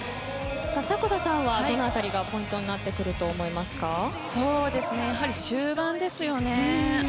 迫田さんはどの辺りがポイントになってくるとやはり終盤ですよね。